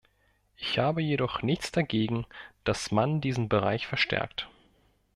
Ich habe jedoch nichts dagegen, dass man diesen Bereich verstärkt.